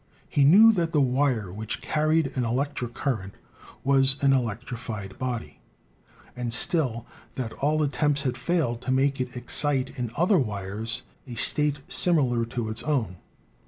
He knew that the wire which carried an electric current was an electrified body, and still that all attempts had failed to make it ex cite in other wires a state similar to its own.